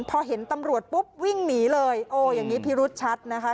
พอเห็นตำรวจปุ๊บวิ่งหนีเลยโอ้อย่างนี้พิรุษชัดนะคะ